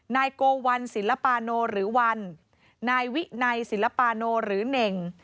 นายโกวัลศิลปาโนหรือวันนายวินัยศิลปาโนหรือเน่ง